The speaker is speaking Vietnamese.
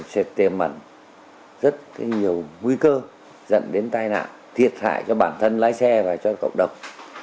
sẽ tiềm ẩn rất nhiều nguy cơ dẫn đến tai nạn thiệt hại cho bản thân lái xe và cho cộng đồng